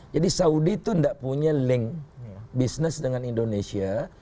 jadi saudi itu tidak punya link bisnis dengan indonesia